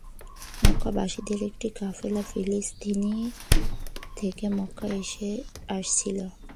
মক্কাবাসীদের একটি কাফেলা ফিলিস্তিন থেকে মক্কা আসছিল।